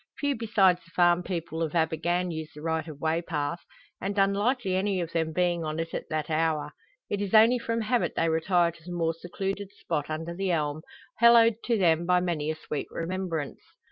Few besides the farm people of Abergann use the right of way path, and unlikely any of them being on it at that hour. It is only from habit they retire to the more secluded spot under the elm, hallowed to them by many a sweet remembrance.